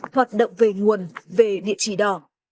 hoạt động về nguồn về địa chỉ đỏ